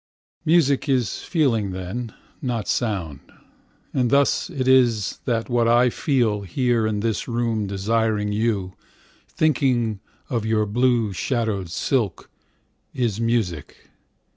Music is feeling then, not sound; And thus it is that what I feel, Here in this room, desiring you, Thinking of your blue shadowed silk, Is music.